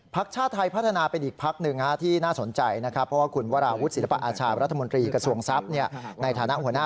ภักดิ์ชาติไทยพัฒนาเป็นอีกภักดิ์หนึ่ง